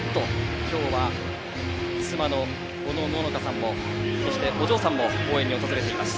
今日は妻のおのののかさんもお嬢さんも応援に訪れています。